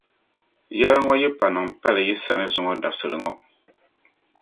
Yɛla ŋɔ yipa niŋ pali yi sani zuŋɔ dabisili ŋɔ.